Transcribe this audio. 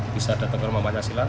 bisa datang ke rumah pancasila